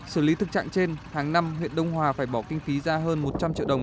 sử lý thức trạng trên tháng năm huyện đông hòa phải bỏ kinh phí ra hơn một trăm linh triệu đồng